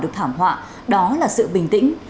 được thảm họa đó là sự bình tĩnh